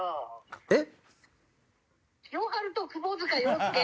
えっ？